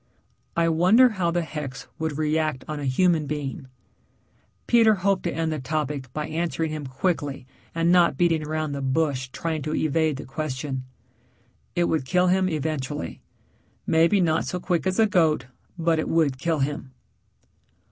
"I wonder how the hex would react on a human being?" Peter hoped to end the topic by answering him quickly and not beating around the bush trying to evade the question. "It would kill him eventually. Maybe not so quick as the goat, but it would kill him."